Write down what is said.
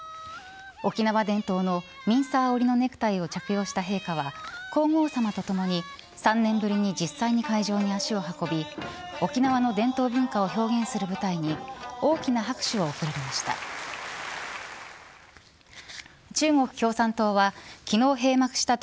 沖縄伝統のミンサー織りのネクタイを着用した陛下は皇后さまと共に３年ぶりに実際に会場に足を運び沖縄の伝統文化を表現する舞台に大きな拍手を送られました。